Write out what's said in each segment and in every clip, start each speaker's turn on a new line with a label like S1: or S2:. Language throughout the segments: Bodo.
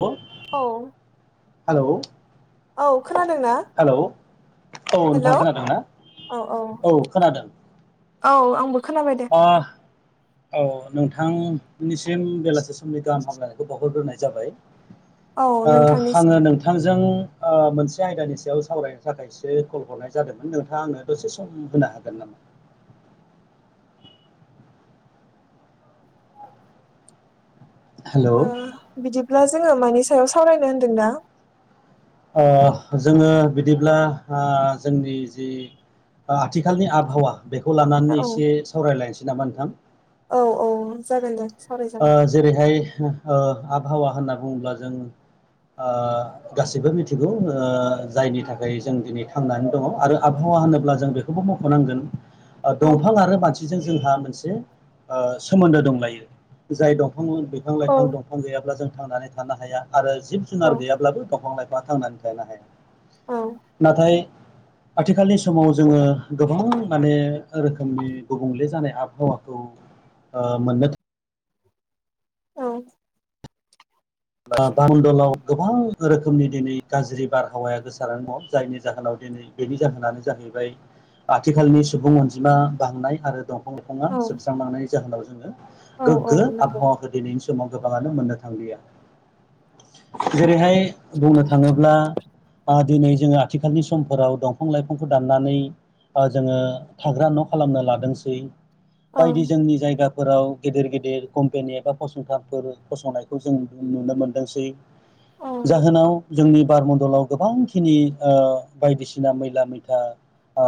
S1: औ [unintelligible]
S2: औ
S1: हालौ
S2: औ खोनादों ना?
S1: औ नोंथाङा खोनादों ना औ खोनादों।
S2: औ आंबो खोनाबाय दे
S1: औ नोंथांनिसिम बेलासि समनि गाहानाम हामलायनायखौ बावहरग्रोनाय जाबाय
S2: औ नोंथांनिसिम
S1: आङो नोंथांजों मोनसे आयदानि सायाव सावरायनो थाखायसो कल हरनाय जादोंमोन। नोंथाङा आंनो दसे सम होनो हागोन नामा? [unintelligible] हेल'
S2: अब्ला जोङो मानि सायाव सावरायनो होनदों दा
S1: ओ जोङो बिदिब्ला ओ जोंनि जि ओ आथिखालनि आबहावा बेखौ
S2: औ
S1: लानानै एसे सावरायलायनोसै नामा नोंथां
S2: औ औ जागोन दे
S1: ओ
S2: सावरायजागोन
S1: जेरैहाय ओ आबहावा होनना बुङोब्ला जों ओ गासिबो मिथिगौ ओ जायनि थाखाय जों दिनै थांनानै दङ आरो आब हावा होनोब्ला जों बेखौबो मख'नांगोन
S2: औ
S1: दंफां आरो मानसिजों जोंहा मोनसे ओ सोमोन्दो दंलायो जाय दं फां बिफां
S2: औ
S1: लाइफां दंफां गैयाब्ला जों थांनानै थानो हाया आरो जिब
S2: औ
S1: जुनार गैयाब्लाबो दंफां लाइ फां थांनानै थानो हाया।
S2: औ
S1: नाथाय आथिखालनि समाव जोङो गोबां माने रोखोमनि गुबुंले जानाय आबहावाखौ ओ मोननो
S2: औ
S1: ओ बारमणडलाव गोबां रोखोमनि दिनै गाज्रि बारहावाया गोसारनानै दङ जायनि जाहोनाव दिनै बेनि जाहोनानो जाहैबाय आथिखालनि सुबुं अनजिमा बांनाय आरो दं फां लाइफाङा
S2: औ
S1: जोबस्रांलांनायनि जाहोनाव जोङो
S2: औ औ
S1: गोग्गो
S2: नंगौ
S1: आबहावाखौ दिनैनि समाव गोबाङानो मोननो थांलिया। जेरैहाय बुंनो थाङोब्ला ओ दिनै जोङो आथिखालनि समफोराव दंफां लाइफांखौ दाननानै बा जोङो थाग्रा न' खालामनो लादोंसै
S2: औ औ
S1: बायदि जोंनि जायगा फोराव गिदिर गिदिर कम्पेनि एबा फसंथानफोर फसंनायखौ जों नुनो मोनदोंसै जाहोनाव जोंनि बारमण्डलाव गोबांखिनि ओ बायदिसिना मैला मैथा ओ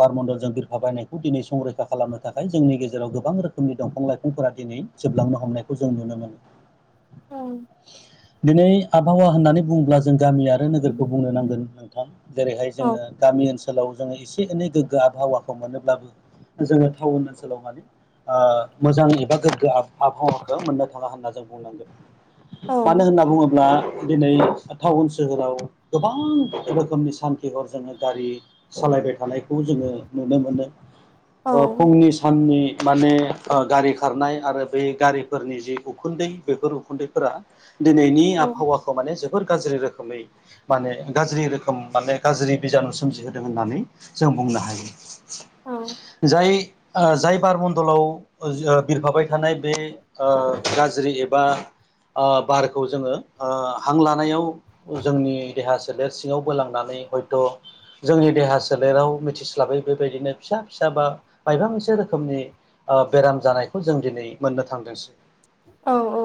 S1: बारमण्डलजों बिरफा बायनायखौ दिनै संरैखा खालामनो थाखाय जोंनि गेजेराव गोबां रोखोमनि दंफां लाइ फांफोरा दिनै जोबलांनो हमनायखौ जों नुनो मोनो।
S2: औ
S1: दिनै आबहावा होननानै बुङोब्ला जों गामि आरो नोगोरखौ बुंनो नांगोन नोंथां जेरैहाय
S2: औ
S1: जोङो गामि ओन सोलाव जोङो एसे एनै गोग्गो आबहावाखौ मोनोब्लाबो जोङो टाउन ओनसोलाव माने ओ मोजां एबा गोग्गो आबहावाखो मोननो थाङा होनना जों बुंनांगोन। मानो होनना बुङोब्ला दिनै टाउन सोहोराव गोबां रोखोमनि सानखि हर जोङो गारि सा लायबाय थानायखौ जोङो नुनो मोनो।
S2: औ
S1: ओ फुंनि साननि माने ओ गारि खारनाय आरो बे गारिफोरनि जि उखुन्दै बेफोर खुन्दैफोरा दिनैनि आबहावाखौ माने जोब बोर गाज्रि रोखोमै माने गाज्रि रोखोम माने गाज्रि बिजानु सोमजिहोदों होननानै जों बुंनो हायो।
S2: औ
S1: जाय ओ जाय बारमन्दलाव बिरफाबाय थानाय बे ओ गाज्रि एबा ओ बारखौ जोङो ओ हां लानायाव जोंनि देहा सोलेर सिङाव बोलांना माने हयथ' जोंनि देहा सोलेराव मिथिस्लाबै बेबायदिनो फिसा फिसा बा मायबा मोन मोनसे रोखोमनि ओ बेराम जानायखौ जों दिनै मोननो थांदोंसै
S2: औ औ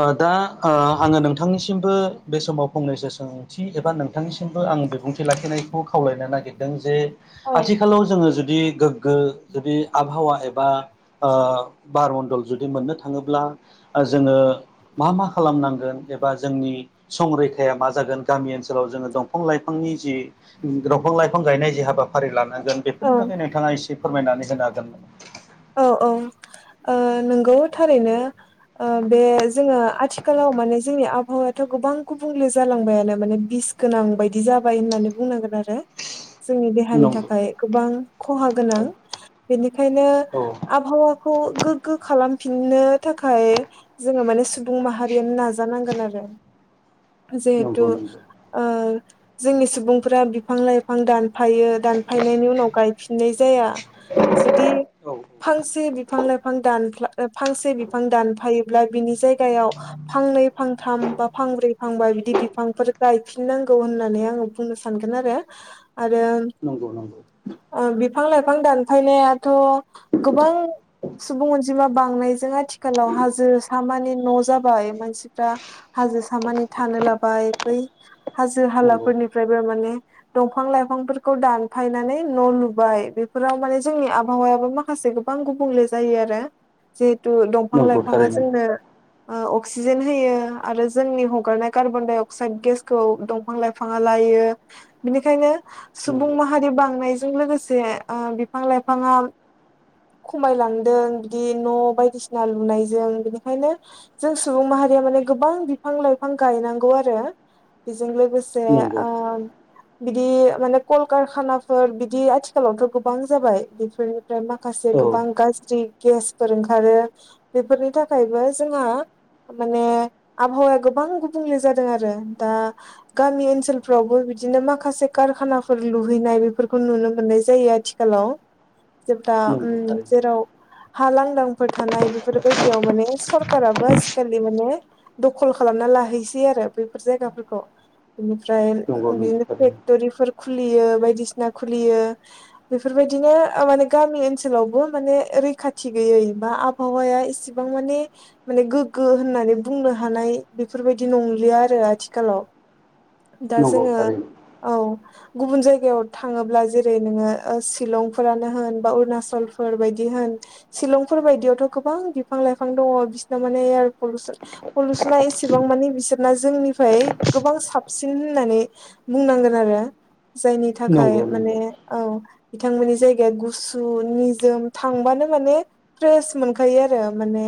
S1: ओ दा ओ आङो नोंथांनिसिमबो बे समाव फंनैसो सोंथि एबा नोंथांनि बो आं बिबुंथि लाखिनायखौ खावलायनो नागिरदों जे आथिखालाव जोङो जुदि गोग्गो जुदि आबहावा एबा ओ बारमण्डल जुदि मोननो थाङोब्ला ओ जोङो मा मा खालामनांगोन एबा जोंनि संरैखाया मा जागोन गामि ओनसोलाव जोङो दंफां लाइफांनि नि जि दंफां लाइफां गायनाय जि हाबाफारि लानो जों
S2: औ
S1: बेफोरनि बागै नोंथाङा एसे फोरमायनानै होनो हागोन
S2: औ औ ओ नंगौ थारैनो ओ बे जोङो आथिखालाव माने जोंनि आबहावायाथ' गोबां गुबुंले जालांबायानो माने बिस गोनां बायदि जाबाय होननानै बुंनांगोन आरो जोंनि देहानि
S1: हागोन नामा?
S2: थाखाय गोबां खहा गोनां बेनिखायनो
S1: नंगौ औ
S2: आबहावाखौ गोग्गो खालामफिननो थाखाय जोङो माने सुबुं माहारियानो नाजानांगोन आरो
S1: [inaudible]
S2: जिहेथु
S1: नंगौ
S2: ओ जोंनि सुबुंफ्रा बिफां लाइफां दानो दानफायो दानफायनायनि उनाव गायफिननाय जाया जुदि
S1: औ
S2: फांसे बिफां लाइफां दानफ्ला फांसे बिफां दानफायोब्ला बिनि जायगा याव फांनै फांथाम बा फांब्रै फांबा बिदि बिफांफोर गायफिननांगौ होननानै आङो बुंनो सानगोन आरो आरो
S1: नंगौ नंगौ
S2: ओ बि फां लाइफां दानफायनायाथ' गोबां सुबुं अनजिमा बांनायजों आथिखालाव हाजो सामानि न' जाबाय मानसिफ्रा हाजो सामानि थानो लाबाय बै हाजो
S1: नंगौ
S2: हालाफोरनिफ्रायबो माने दंफां लाइफांफोरखौ दानफायनानै न' लुबाय बेफोराव माने जोंनि आबहावायाबो मा खासे गोबां गुबुंले जायो आरो जिहेथु दंफां
S1: नंगौ
S2: लाइफाङा
S1: थारैनो
S2: जोंनो ओ अक्सिजेन होयो आरो जोंनि हगारनाय कार्बन दडाइ अक्साइद गेसखौ दंफां लाइफाङा ला यो बिनिखायनो सुबुं
S1: नंगौ
S2: माहारि बांनायजों लोगोसे ओ बिफां लाइफाङा
S1: [unintelligible]
S2: खमायलांदों बिदि न' बायदिसिना लुनायजों बिनिखायनो जों सुबुं माहारिया माने गोबां बिफां लाइफां गायनांगौ आरो
S1: [unintelligible]
S2: जों लोगोसे
S1: नंगौ
S2: ओ बिदि माने कलकारखानाफोर बिदि आथिखालावथ' गोबां जाबाय बेफोर [unintelligible] मााखसे
S1: औ
S2: गोबां गाज्रि गेसफोर ओंखारो बेफोरनि थाखायबो जोंहा माने आबहावाया गोबां गुबुंले जादों आरो दा गामि ओनसोलफ्रावबो बिदिनो माखासे कारखानाफोर लुहैनाय बेफोरखौ नुनो मोननाय जायो आथिखालाव
S1: [unintelligible]
S2: जेब्ला उम
S1: नंगौ थारैनो
S2: जेराव हा लांदांफोर थानाय बेफोरबायदियाव माने सरखाराबो आजिखालि माने दखल खालामनानै लाहैसै आरो बैफोर जायगाफोरखौ बिनिफ्राय
S1: नंगौ नंगौ
S2: बिदिनो
S1: थारैनो
S2: फेक्टरि खुलियो बायदिसिना खुलियो बेफोरबायदिनो माने गामि ओनसोलावबो माने रैखाथि गैयै बा आबहावाया इसेबां माने माने गोगो होननानै बुंनो हानाय बेफोरबायदि नंलिया आरो आथिखालाव दा
S1: नंगौ
S2: जोङो
S1: थारैनो
S2: औ गुबुन जायगायाव थाङोब्ला जेरै नोङो शिलंफोरानो होन बा अरुणाचलफोर बायदि होन शिलंफोर बायदियावथ' गोबां बिफां लाइफां दङ बिसिनाव माने पलुसन पलुसना एसेबां माने बिसोरना जोंनिफ्राय गोबां साबसिन होननानै बुंनांगोन आरो जायनि
S1: नंगौ
S2: थाखाय माने
S1: नंगौ
S2: औ बिथांमोननि जायगाया गुस निजोम थांबानो माने फ्रेस मोनखायो आरो माने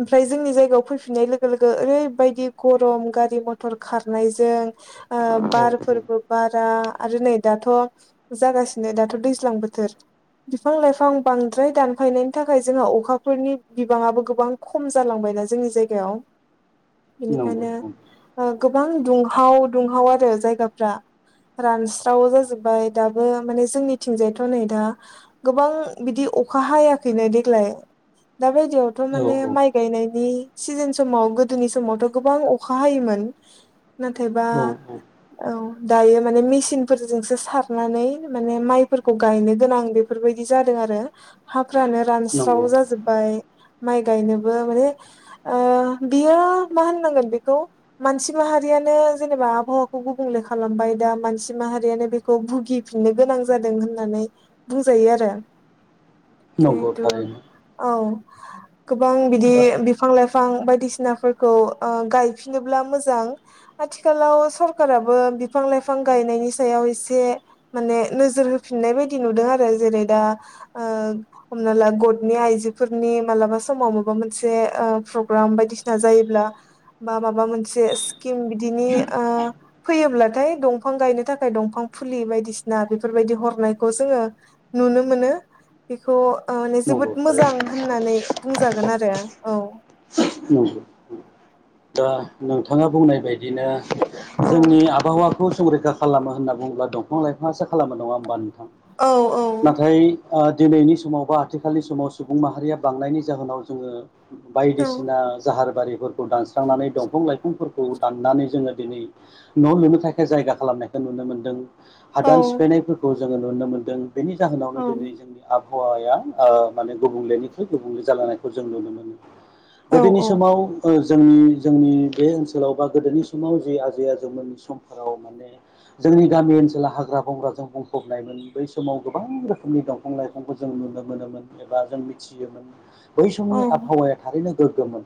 S2: ओमफ्राय जोंनि जायगायाव फैफिननाय लोगो लोगो ओरैबायदि गरम गारि मथर खारनायजों ओ
S1: औ
S2: बारफोरबो बारा आरो नै दाथ' जागासिनो दाथ' दैज्लां बो थोर बिफां लाइफां बांद्राय दानफायनायनि थाखाय जोंहा अखाफोरनि बिबाङाबो गोबां खम जालांबाय जोंनि जायगायाव
S1: नंगौ
S2: बेनिखायनो ओ गोबां दुंहाव दुंहाव आरो जायगाफ्रा रानस्राव जाजोबबाय दाबो माने जोंनिथिंजायथ' नै दा गोबां बिदि अखा हायाखैनो देग्लाय दा बायदियावथ'
S1: औ
S2: माने माइ गायनायनि सिजोन समाव गोदोनि समावथ' गोबां अखा हायोमोन नाथायबा
S1: औ औ
S2: औ दायो माने मेसिन फोरजोंसो सारनानै माने माइफोर खौ गायनो गोनां बेफोरबायदि जादों आरो हाफ्रानो
S1: नंगौ
S2: रानस्राव जाजोबबाय माइ गायनोबो माने ओ बियो मा होननांगोन बेखौ मानसि माहारिया जेनेबा आबहावाखौ गुबुंले खालामबाय दा मानसि माहारियानो बेखौ भुगिफिननो गोनां जादों होननानै बुंजायो आरो
S1: नंगौ
S2: जिहेथु
S1: थारैनो
S2: औ गोबां बिदि
S1: दा
S2: बिफां लाइफां बिफां बायदिसिनाफोरखौ ओ गायफिनोब्ला मोजां आथिखालाव सरकाबो बिफां लाइफां गायनायनि सायाव एसे माने नोजोर हो फिननाय बायदि नुदों आरो जेरै दा ओ हमना ला गटनि आइजोफोरनि मालाबा समाव माबा मोनसे प्रग्राम बायदिसिना जायोब्ला बा माबा मोनसे स्किम बिदिनि ओ फैयोब्लाथाय दंफां गायनो थाखाय दंफां फुलि बायदिसिना बेफोरबायदि हरनायखौ जोङो नुनो मोनो बेखौ औ माने
S1: नंगौ
S2: जोबोद
S1: थारैनो
S2: मोजां होननानै बुंजागोन आरो औ
S1: औ दा नोंथाङा बुंनाय बायदिनो
S2: औ
S1: जोंनि आबहावा खौ संरैखा खालाम होनना बुङोला दंफां लाइफांआसो खालामा नङा होनबा नोंथां
S2: औ औ
S1: नाथाय दिनैनि समाव बा आथिखालनि समाव सुबुं माहारिया बांनायनि जाहोनाव जोङो
S2: औ
S1: बायदिसिना जाहार बारिफोरखौ दानस्रांनानै दंफां लाइफांफोरखौ दाननानै जोङो दिनै न लुनो थाखाय जायगा खालामनायखौ नुनो मोनो मोन
S2: औ
S1: हादान सिफायनायफोरखौ जोङो नुनो मोनदों बेनि जाहोनावनो दिनै
S2: औ
S1: जोंनि आब आबहावाया आ माने गुबुंलेनिख्रुइ गुबुंले जालांनायखौ जों नुनो मोनो
S2: औ
S1: गोदोनि समाव जोंनि जोंनि बे ओनसोलाव बा गोदोनि समाव जि आजै आजौमोननि समफोराव माने जों जोंनि गामि ओनसोलाव हाग्रा बंग्राजों बुंफबनायमोन बै समाव गोबां रोखोमनि दंफां लाइफांखौ जों नुनो मोनोमोन एबा जों मिथियोमोन बै
S2: औ
S1: समनि आबहावाया थारैनो गोग्गोममोन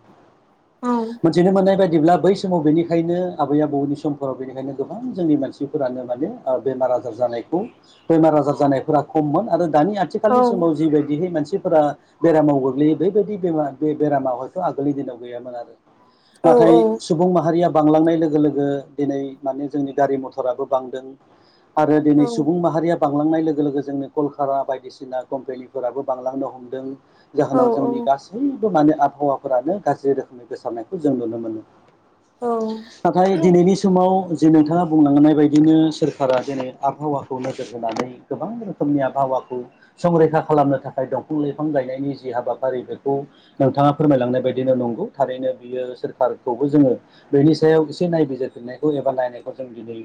S2: औ
S1: मिथिनो मोननाय बायदिब्ला बै समाव बेनिखायनो आबै आबौनि समफोराव बेनिखायनो गोबां जोंनि मानसिफोरानो माने बेमार आजार जायो बेमार आजार जानायफोरा खममोन आरो दानि
S2: औ
S1: आथिखालनि समाव जिबायदि मानसिफोरा बेरामाव गोग्लैयो बेबायदि बे बे बेरामाव हायथ आगोलनि दिनाव गैयामोन आरो
S2: औ औ
S1: नाथाय सुबुं माहारिया बांलांनाय लोगो लोगो दिनै माने जोंनि गारि मथराबो बांदों आरो दिनै सुबुं माहारिया बांलांनाय लोगो लोगो लोगो जोंनो कलकारा बायदिसिना कम्पेनिफोराबो बांलांनो हमदों
S2: औ
S1: जाहोनाव जोंनि गासैबो माने आबहावाफोरानो गाज्रि रोखोमनि गोसारनायखौ जों नुनो मोनो नाथाय दिनैनि समाव जे नोंथाङा बुंलांनाय बायदिनो सोरखारा दिनै आबहावाखौ नोजोर होनानै गोबां रोखोमनि आबहावाखौ संरैखा खालामनो थाखाय दंफां लाइफां गायनायनि जि हाबाफारि बेखौ नोंथाङा फोरमायलांनाय बायदिनो नंगौ थारैनो बियो सोरखारखौबो जोङो बेनि सायाव एसे नाय बिजिरफिननायखौ एबा नायखौ जों दिनै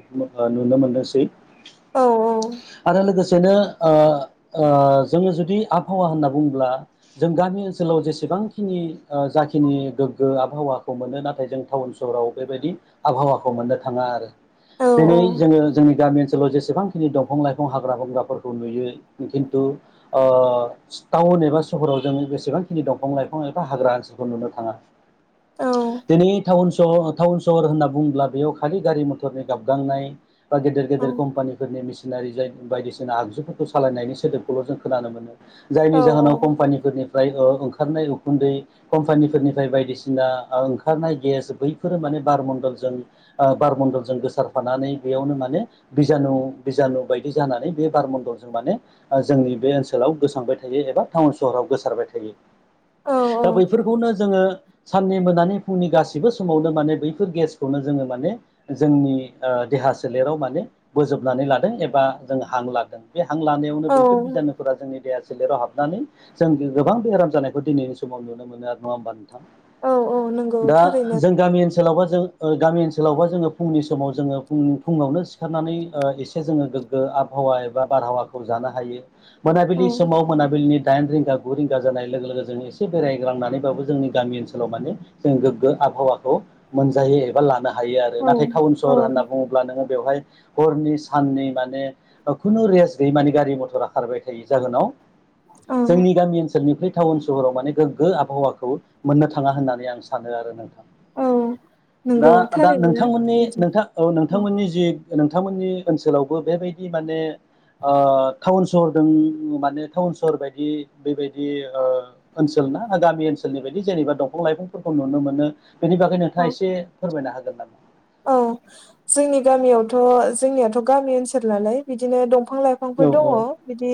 S1: नुनो मोनदोंसै
S2: औ औ
S1: आरो लोगोसेनो ओ ओ जोङो जुदि आबहावा होनना बुङोब्ला जों गामि ओनसोलाव लाव जेसेबांखिनि जाखिनि गोग्गो आबहावाखौ मोनो नाथाय जों टाउन सहराव बेबायदि आबहावाखौ मोननो थाङा आरो दिनै जोङो जोंनि गामि ओनसोलाव जेसेबांखिनि दंफां लाइफां हाग्रा बंग्राफोरखौ नुयो खिन्थु ओ टाउन एबा सहराव जों बेसेबां दंफां लाइफां एबा हाग्रा ओनसोलखौ नुनो थाङा दि टाउन सहर होनना बुङोब्ला बेयाव खालि गारि मटरनि गाबगांनाय बा गेदेर गेदेर कम्पानिफोरनि मिसिनारि जाय बायदिसिना आगजुफोरखौ सालायनायनि सोदोबखौल जों खोनानो मोनो जायनि जाहोनाव कम्पानिफोरनिफ्राय ओंखारनाय उखुन्दै कम्पानिफोरनिफ्राय बायदिसिना ओंखारनाय गेस बैफोरो माने बारमन बारमनडलजों गोसारफानानै बेयावनो माने बिजानु बिजानु बाय जानानै बे बारमन्दलजों माने जोंनि बे ओनसोलाव गोसांबाय थायो एबा टाउन सहराव गोसारबाय थायो
S2: औ
S1: बैफोरखौनो जोङो साननै मोनानि फुंनि गासिबो समावनो माने बैफोर गेसखौनो जोङो माने जोंनि दे हा सोलेराव माने बोजोबनानै लादों एबा जों हां लादों बे हां लानायावनो
S2: औ
S1: बैफोर बिजानुफोरा जोंनि देहा सोलेराव हाबनानै जों गोबां बेहराम जानायखौ दिनैनि समाव नुनो मोनो आरो नङा होमबा नों थां
S2: औ नंगौ
S1: दा
S2: थारैनो
S1: जों गामि ओनसोलावबा जों गामि ओनसोलावबा जोङो फुंनि समाव जोङो फुङावनो सिखारनानै एसे जोङो गोग्गो आबहावा एबा बारहावाखौ जानो हायो
S2: औ
S1: मोनाबिलि समाव मोनाबिलिनि दाइन रिंगा गु रिंगा जानाय लोगो लोगो जों एसे बेरायग्लांनानैबाबो जोंनि गामि ओनसोलाव माने जों गोग्गो आबहावाखौ मोनजायो एबा लानो हायो आरो
S2: औ
S1: नाथाय टाउनाव सहर होनना
S2: औ
S1: बुङोब्ला नोङो बेवहाय हरनि साननि माने खुनु रेस गैयै माने गारि मटरा खारबाय थायो जाहोनाव जोंनि गामि ओनसोलनिफ्राय टाउन सहरावाने गोग्गो आबहावाखौ मोननो थाङा होननानै आं सानो आरो नोंथां
S2: औ
S1: दा
S2: नंगौ
S1: दा
S2: थारैनो
S1: नोंथांमोननि
S2: बिदि
S1: नोंथां औ नोंथांमोननि जि नोंथांमोननि ओनसोलावबो बेबायदि माने ओ टाउन सहरजों माने टाउन सहर बायदि बेबायदि ओनसोलाव गामि ओनसोलनि बायदि जेनेबा दंफां लाइफांफोरखौ नुनो मोनो। बेनि बागै नोंथाङा
S2: औ
S1: एसे फोरमायनो हागोन नामा?
S2: औ जोंनि गामियावथ' जोंनियाथ' गामि ओनसोल नालाय बिदिनो दं फां लाइफांफोर
S1: औ
S2: दङ बिदि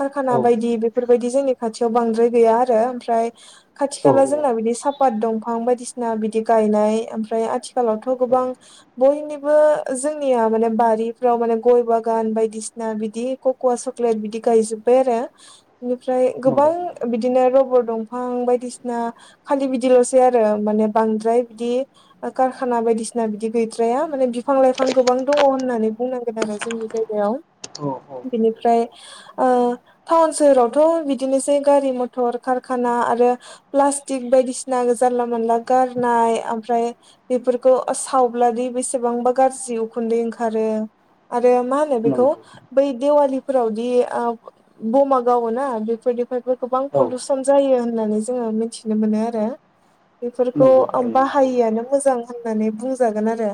S2: कारखाना
S1: औ
S2: बायदि बेफोरबायदि जोंनि खाथियाव बांद्राय गैया आरो ओमफ्राय खाथि खाला
S1: औ
S2: जोंना बिदि साफ पात दंफां बायदिसिना बिदि गायनाय ओमफ्राय आथिखालावथ'
S1: औ
S2: गोबां बयनिबो जोंनिया माने बारिफ्राव माने गय बागान बायदिसिना बिदि कक'वा स क्लेट बिदि गायजोब्बाय आरो बेनिफ्राय
S1: नंगौ
S2: गोबां बिदिनो रबट दंफां बायदिसिना खालि बिदिल'सै आरो माने बांद्राय बिदि काराना बायदिसि ना बिदि गैद्राया माने बिफां लाइफां गोबां दङ होननानै बुंनांगोन आरो जोंनि जायगायाव
S1: औ औ
S2: बिनिफ्राय ओ टाउन सोहोरावथ' बिदिनोसै गारि मथर कारखाना आरो प्लास्टिक बायदिसिना जानला मोनला गारनाय ओमफ्राय बेफोरखौ सावब्लादि बेसेबांबा गाज्रि उखुन्दै ओंखारो आरो मा होनो बेखौ
S1: नंगौ
S2: बै देवालिफोरावदि बमा गावो ना बेफोरदि बेफोरबो गोबां
S1: औ
S2: पलिुसन जायो होननानै जोङो मिथिनो मोनो आरो बेफोरखौ
S1: नंगौ थारैनो औ
S2: बाहायैआनो मोजां होननानै बुंजागोन आरो